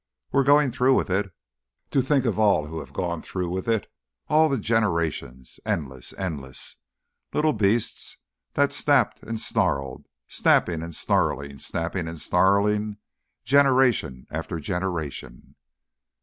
"We're going through with it. To think of all who have gone through with it: all the generations endless endless. Little beasts that snapped and snarled, snapping and snarling, snapping and snarling, generation after generation."